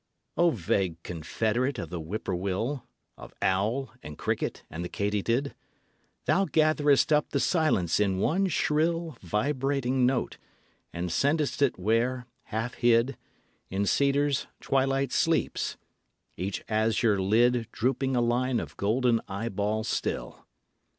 O vague confederate of the whippoorwill, Of owl and cricket and the katydid! Thou gatherest up the silence in one shrill Vibrating note and send'st it where, half hid In cedars, twilight sleeps each azure lid Drooping a line of golden eyeball still.